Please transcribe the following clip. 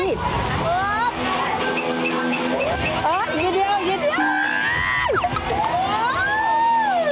อีกนิดหนึ่ง